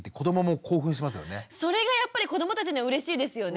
それがやっぱり子どもたちにはうれしいですよね。